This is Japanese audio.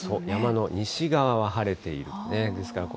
山の西側は晴れているんですね。